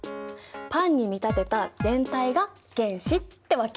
パンに見立てた全体が原子ってわけ。